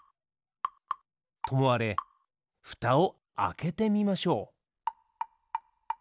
ともあれふたをあけてみましょう。